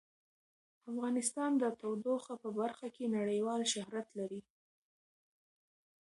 افغانستان د تودوخه په برخه کې نړیوال شهرت لري.